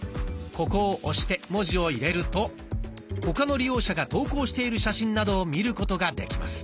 ここを押して文字を入れると他の利用者が投稿している写真などを見ることができます。